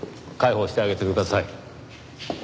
解放してあげてください。